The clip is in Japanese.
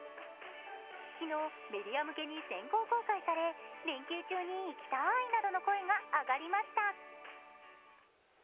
昨日、メディア向けに先行公開され連休中に行きたいなどの声が上がりました。